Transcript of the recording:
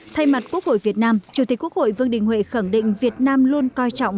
thay mặt quốc hội việt nam chủ tịch quốc hội vương đình huệ khẳng định việt nam luôn coi trọng